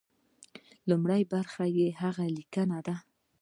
لومړۍ برخه يې هغه ليکنې دي.